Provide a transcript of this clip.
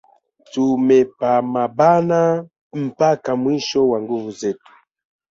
Tumepamabana mpaka mwisho wa nguvu zetu.